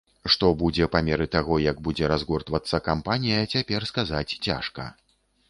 Што будзе па меры таго, як будзе разгортвацца кампанія, цяпер сказаць цяжка.